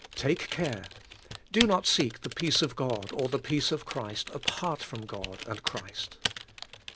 Take care! Do not seek the peace of God or the peace of Christ apart from God and Christ.